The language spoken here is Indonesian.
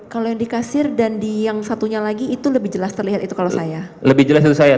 kalau yang dikasir dan di yang satunya lagi itu lebih jelas terlihat itu kalau saya